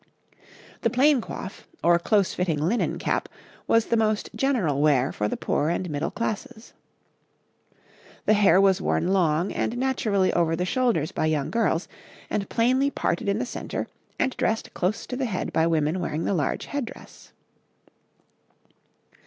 The plain coif, or close fitting linen cap, was the most general wear for the poor and middle classes. The hair was worn long and naturally over the shoulders by young girls, and plainly parted in the centre and dressed close to the head by women wearing the large head dress.